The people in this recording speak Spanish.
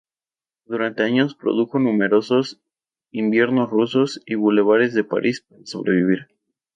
Durante años produjo numerosos "Inviernos rusos" y "Bulevares de París" para sobrevivir.